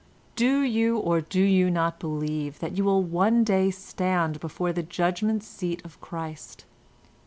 "Do you, or do you not believe that you will one day stand before the Judgement Seat of Christ?